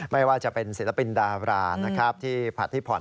ไม่ว่าจะเป็นศิลปินดารานะครับที่ผัดที่ผ่อน